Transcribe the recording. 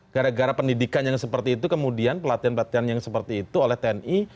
gara gara pendidikan yang seperti itu kemudian pelatihan pelatihan yang seperti itu oleh tni